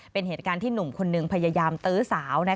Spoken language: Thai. เป็นเหตุการณ์ที่หนุ่มคนหนึ่งพยายามตื้อสาว